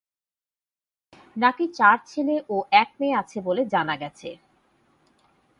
নাকি চার ছেলে ও এক মেয়ে আছে বলে জানা গেছে।